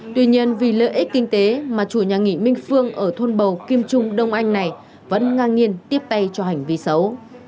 tuy nhiên vì lợi ích kinh tế mà chủ nhà nghỉ minh phương ở thôn bầu kim trung đông anh này vẫn ngang nhiên tiếp tay cho hành vi xấu